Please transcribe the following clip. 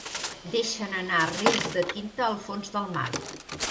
Deixen anar rius de tinta al fons del mar.